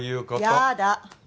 やだ。